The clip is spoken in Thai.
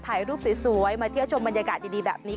ถ่ายรูปสวยมาเที่ยวชมบรรยากาศดีแบบนี้